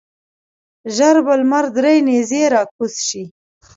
ژر به لمر درې نیزې راکوز شي.